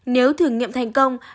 nếu thử nghiệm thành công